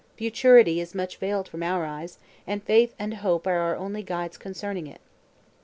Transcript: Futurity is much veiled from our eyes, and faith and hope are our only guides concerning it.